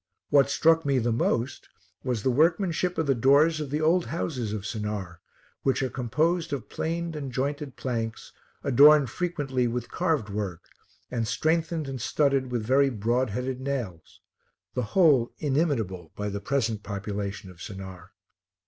What struck me the most, was the workmanship of the doors of the old houses of Sennaar, which are composed of planed and jointed planks, adorned frequently with carved work, and strengthened and studded with very broad headed nails; the whole inimitable by the present population of Sennaar.